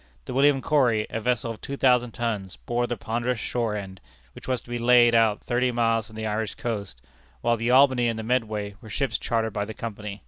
The William Corry, a vessel of two thousand tons, bore the ponderous shore end, which was to be laid out thirty miles from the Irish coast, while the Albany and the Medway were ships chartered by the Company.